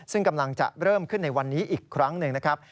ซึ่งกำลังจะเริ่มขึ้นในวันนี้อีกครั้งหนึ่งนะครับ